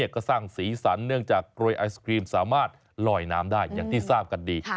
ก็สร้างสีสันเนื่องจากกรวยไอศครีมสามารถลอยน้ำได้อย่างที่ทราบกันดี